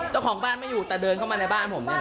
เจ้าของบ้านไม่อยู่แต่เดินเข้ามาในบ้านผมเนี่ย